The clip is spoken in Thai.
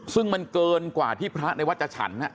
ซึ่งมันเกินกว่าที่พระในวัดจะฉัน